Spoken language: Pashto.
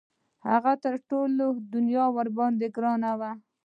هغه تر ټولې دنیا ورباندې ګران وو.